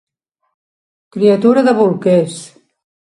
Criatura de bolquers.